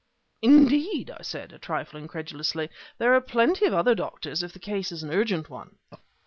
"Indeed!" I said, a trifle incredulously. "There are plenty of other doctors if the case is an urgent one."